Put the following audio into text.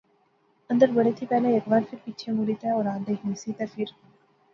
اندر بڑے تھی پہلے ہیک وار فیر پچھے مڑی تہ اورار دیکھنی سی تہ فیر